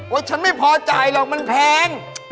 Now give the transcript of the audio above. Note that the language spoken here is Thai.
ฉันไม่พอจ่ายหรอกมันแพง